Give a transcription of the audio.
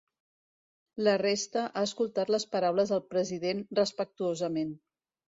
La resta ha escoltat les paraules del president respectuosament.